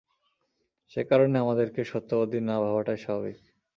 সে কারণে আমাদেরকে সত্যবাদী না ভাবাটাই স্বাভাবিক।